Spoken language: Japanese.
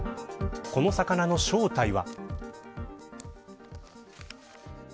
この魚の正体は。